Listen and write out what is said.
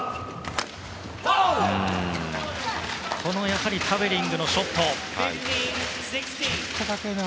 やはりタベリングのショットが。